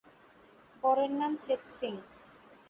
বরের নাম চেৎসিং।